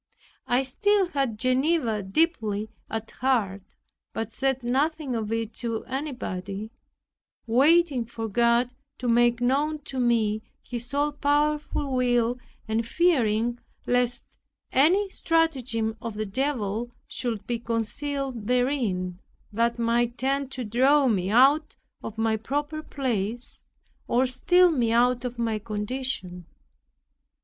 I still had Geneva deeply at heart; but said nothing of it to anybody, waiting for God to make known to me His all powerful will and fearing lest any stratagem of the Devil should be concealed therein, that might tend to draw me out of my proper place, or steal me out of my condition.